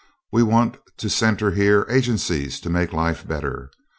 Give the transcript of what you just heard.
We want to centre here agencies to make life better.